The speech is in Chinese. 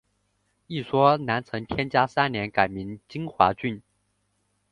一说南陈天嘉三年改名金华郡。